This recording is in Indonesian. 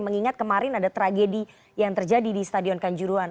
mengingat kemarin ada tragedi yang terjadi di stadion kanjuruan